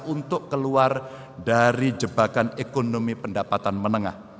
untuk keluar dari jebakan ekonomi pendapatan menengah